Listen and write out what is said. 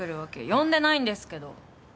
呼んでないんですけど。